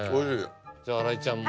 じゃあ新井ちゃんも。